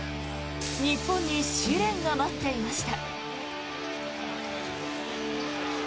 日本に試練が待っていました。